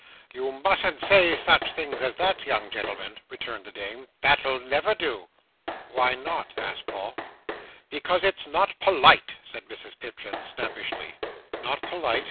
"You mustn't say such things as that, young gentleman," returned the dame. "That'll never do." "Why not?" asked Paul. "Because it's not polite," said Mrs Pipchin, snappishly. "Not polite?"